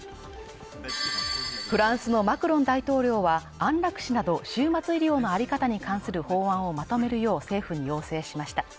フランスのマクロン大統領は、安楽死など終末医療のあり方に関する法案をまとめるよう政府に要請しました。